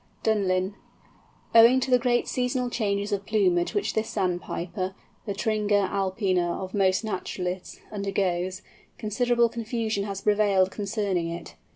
DUNLIN. Owing to the great seasonal changes of plumage which this Sandpiper—the Tringa alpina of most naturalists—undergoes, considerable confusion has prevailed concerning it.